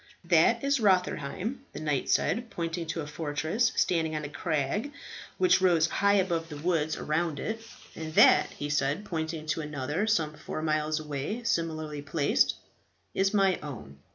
"That is Rotherheim," the knight said, pointing to a fortress standing on a crag, which rose high above the woods around it; "and that," he said, pointing to another some four miles away, similarly placed, "is my own."